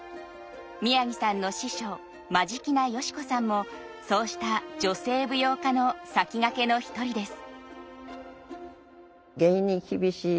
宮城さんの師匠真境名佳子さんもそうした女性舞踊家の先駆けの一人です。